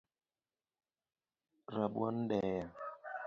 Rabuon deya